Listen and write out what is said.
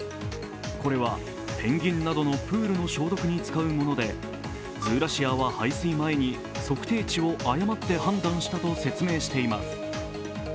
これはペンギンなどのプールの消毒に使うもので、ズーラシアは排水前に測定値を誤って判断したと説明しています。